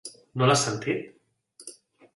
No l'has sentit?